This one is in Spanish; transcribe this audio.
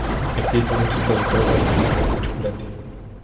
Existen muchos productores artesanales de chocolate.